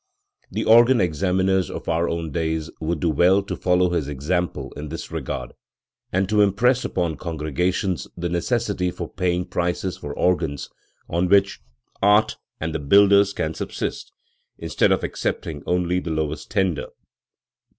The organ examiners of our own day would do well to follow his example in this regard, and to impress upon congregations the necessity for paying prices for organs on which art and the builders can subsist, instead of accepting only the lowest tender.